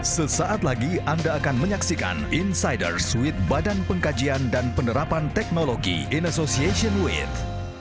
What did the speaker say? sesaat lagi anda akan menyaksikan insiders with badan pengkajian dan penerapan teknologi in association with